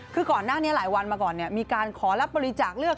คือก่อนหน้านี้หลายวันมาก่อนมีการขอรับบริจาคเลือก